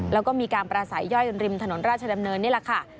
แล้วก็มีการปราศัยย่อยริมถนนราชดำเนินนี่แหละค่ะ